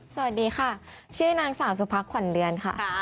สวัสดีค่ะชื่อนางสาวสุพักขวัญเดือนค่ะ